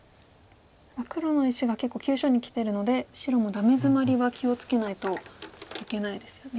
黒の石が結構急所にきてるので白もダメヅマリは気を付けないといけないですよね。